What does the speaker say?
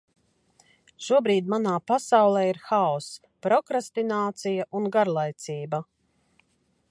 Šobrīd manā pasaulē ir haoss, prokrastinācija un garlaicība.